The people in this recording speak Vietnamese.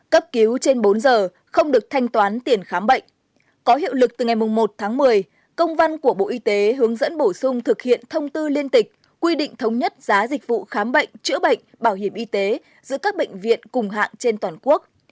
cấp cứu trên bốn giờ không được thanh toán tiền khám bệnh có hiệu lực từ ngày một tháng một mươi công văn của bộ y tế hướng dẫn bổ sung thực hiện thông tư liên tịch quy định thống nhất giá dịch vụ khám bệnh chữa bệnh bảo hiểm y tế giữa các bệnh viện cùng hạng trên toàn quốc